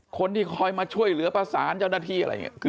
คนที่คอยมาช่วยเหลือประสานเจ้าหน้าที่อะไรอย่างนี้